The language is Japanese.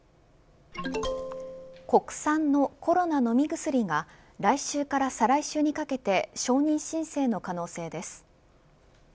国産のコロナ飲み薬が来週から再来週にかけて承認申請の可能性です。